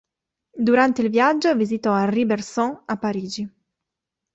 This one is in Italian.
Durante il viaggio, visitò Henri Bergson a Parigi.